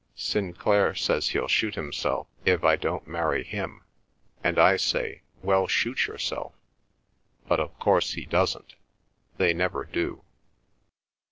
Sinclair says he'll shoot himself if I don't marry him, and I say, 'Well, shoot yourself!' But of course he doesn't—they never do.